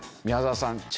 宮澤さん